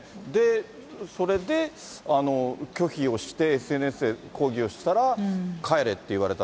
それで、拒否をしてＳＮＳで抗議をしたら、帰れって言われた。